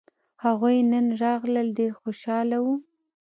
هغوی نن راغلل ډېر خوشاله وو